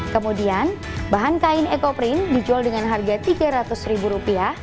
kemudian bahan kain ekoprint dijual dengan harga rp tiga ratus